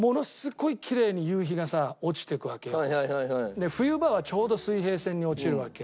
で冬場はちょうど水平線に落ちるわけ。